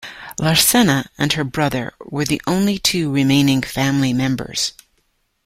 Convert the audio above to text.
Larcena and her brother were the only two remaining family members.